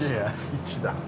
１だ。